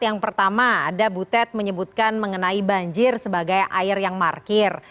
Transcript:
yang pertama ada butet menyebutkan mengenai banjir sebagai air yang markir